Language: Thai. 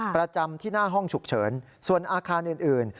ประจำที่หน้าห้องฉุกเฉินส่วนอาคารอื่น